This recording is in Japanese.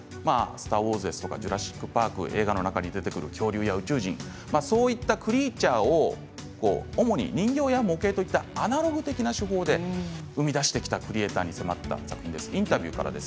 「スター・ウォーズ」「ジュラシック・パーク」映画の中にてくる恐竜や宇宙人そういったクリーチャーを主に人形や模型といったアナログ的な手法で生みだしてきたクリエーターに迫った作品です。